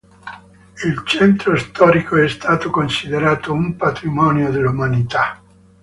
Il centro storico è stato considerato un Patrimonio dell'Umanità.